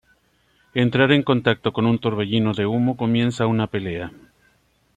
Entrar en contacto con un torbellino de humo comienza una pelea.